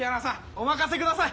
お任せください。